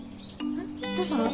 どうしたの？